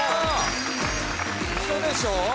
ウソでしょ！